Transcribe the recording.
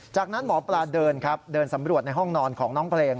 จากนั้นหมอปลาเดินครับเดินสำรวจในห้องนอนของน้องเพลง